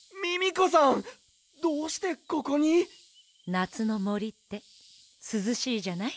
なつのもりってすずしいじゃない。